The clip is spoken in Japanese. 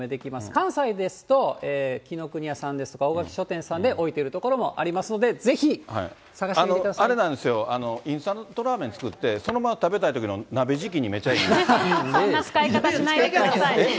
関西ですと、紀伊国屋さんですとか、書店さんで置いてる所もありますので、あれなんです、インスタントラーメン作って、そのまま食べたいときの時期にめっちゃいい。